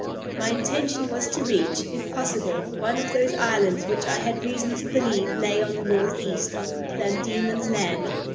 My intention was to reach, if possible, one of those islands which I had reason to believe lay on the northeast of Van Diemen's Land.